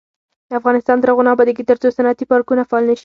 افغانستان تر هغو نه ابادیږي، ترڅو صنعتي پارکونه فعال نشي.